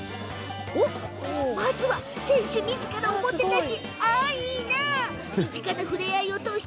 まずは選手みずからおもてなし。